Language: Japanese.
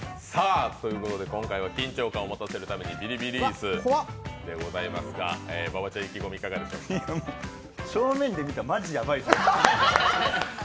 今回は緊張感を持たせるためにビリビリイスでございますが、馬場ちゃん、意気込みいかがでしょうか。